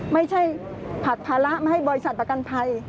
ไม่ใช่ผลัดภาระไม่ให้บริษัทประกันภัย